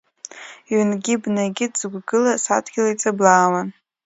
Ҩнгьы-бнагьы дзықәгылаз адгьыл иҵыблаауан.